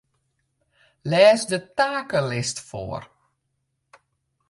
Lês de takelist foar.